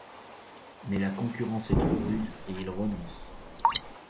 Mais la concurrence est trop rude et il renonce.